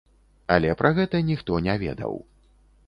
Але пра гэта ніхто не ведаў.